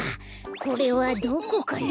これはどこかな？